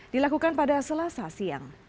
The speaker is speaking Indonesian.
dilakukan pada selasa siang